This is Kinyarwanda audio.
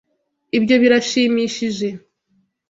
Ibyo birashimishije.